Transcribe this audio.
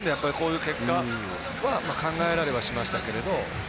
その部分で、こういう結果は考えられはしましたけれども。